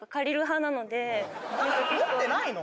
持ってないの？